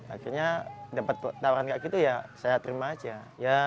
akhirnya dapat penawaran kayak gitu saya terima aja